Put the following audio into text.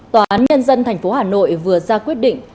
tòa án nhân dân thành phố hà nội vừa ra quyết định